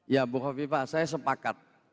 ya bukhobipa saya sepakat